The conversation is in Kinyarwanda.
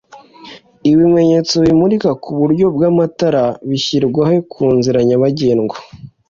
ibimenyetso bimurika kuburyo bw’amatara bishyirwahe kunziranyabagendwa